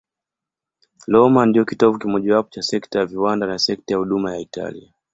Roma ndiyo kitovu kimojawapo cha sekta ya viwanda na sekta ya huduma ya Italia.